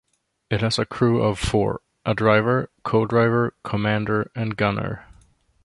It has a crew of four, a driver, co-driver, commander, and gunner.